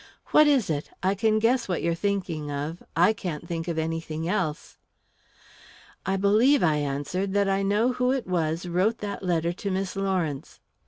"What is it? I can guess what you're thinking of I can't think of anything else." "I believe," I answered, "that I know who it was wrote that letter to Miss Lawrence."